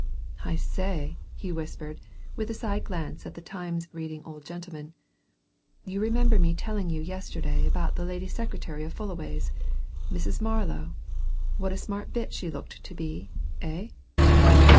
"I say!" he whispered, with a side glance at The Times reading old gentleman, "you remember me telling you yesterday about the lady secretary of Fullaway's Mrs. Marlow? what a smart bit she looked to be. Eh?"